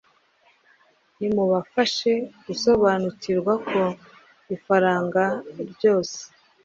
Nimubafashe gusobanukirwa ko ifaranga ryose